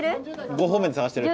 ５方面で探してる。